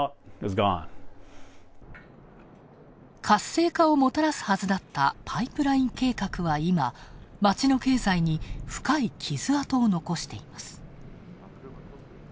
活性化をもたらすはずだったパイプライン計画は今、街の経済に深い傷痕を残しています。